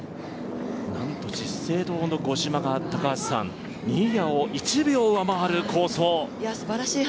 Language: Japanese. なんと資生堂の五島が新谷を１秒上回る好走。